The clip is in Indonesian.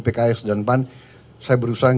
pks dan pan saya berusaha